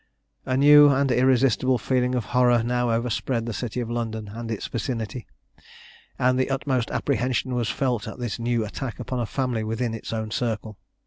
A new and irresistible feeling of horror now overspread the city of London and its vicinity, and the utmost apprehension was felt at this new attack upon a family within its own circle.